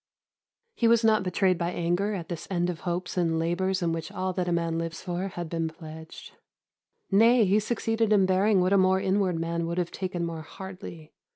He was not betrayed by anger at this end of hopes and labours in which all that a man lives for had been pledged. Nay, he succeeded in bearing what a more inward man would have taken more hardly.